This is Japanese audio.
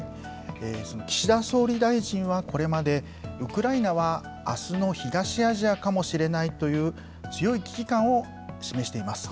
岸田総理大臣は、これまで、ウクライナはあすの東アジアかもしれないという、強い危機感を示しています。